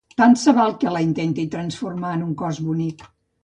Tant se val que la intenti transformar en un cos bonic.